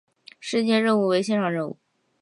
事件任务为线上任务。